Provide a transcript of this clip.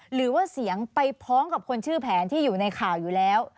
หรือว่าเสียงไปพร้อมกับคนชื่อแผนที่อยู่ในข่าวอยู่แล้ว